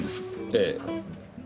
ええ。